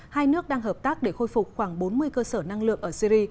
hai nước đang hợp tác để khôi phục khoảng bốn mươi cơ sở năng lượng ở syri